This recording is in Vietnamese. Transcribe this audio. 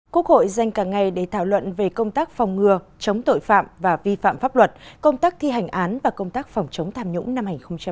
quốc hội dành cả ngày để thảo luận về công tác phòng ngừa chống tội phạm và vi phạm pháp luật công tác thi hành án và công tác phòng chống tham nhũng năm hai nghìn hai mươi